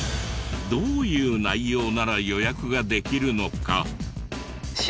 どういう内容なら予約ができるのか？